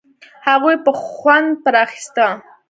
هغوی به خوند پر اخيسته.